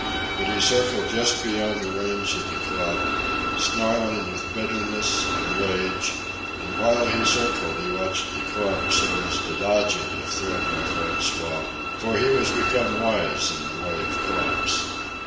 But he circled just beyond the range of the club, snarling with bitterness and rage; and while he circled he watched the club so as to dodge it if thrown by François, for he was become wise in the way of clubs.